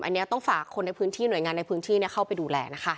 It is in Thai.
อันนี้ต้องฝากคนในพื้นที่หน่วยงานในพื้นที่เข้าไปดูแลนะคะ